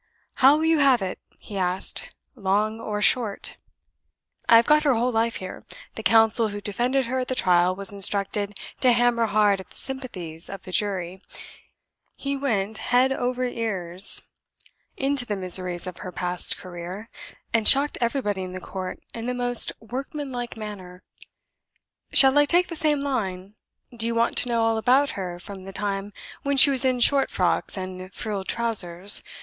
"How will you have it?" he asked. "Long or short? I have got her whole life here. The counsel who defended her at the trial was instructed to hammer hard at the sympathies of the jury: he went head over ears into the miseries of her past career, and shocked everybody in court in the most workman like manner. Shall I take the same line? Do you want to know all about her, from the time when she was in short frocks and frilled trousers?